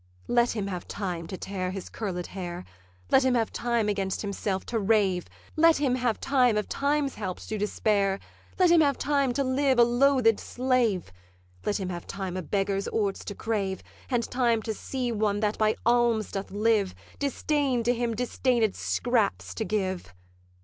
'Let him have time to tear his curled hair, Let him have time against himself to rave, Let him have time of Time's help to despair, Let him have time to live a loathed slave, Let him have time a beggar's orts to crave, And time to see one that by alms doth live Disdain to him disdained scraps to give.